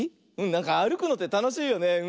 なんかあるくのってたのしいよね。